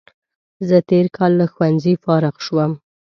زه تېر کال له ښوونځي فارغ شوم